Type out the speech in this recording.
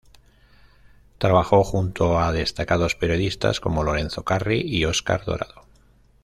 Trabajo junto a destacados periodistas como Lorenzo Carri y Oscar Dorado.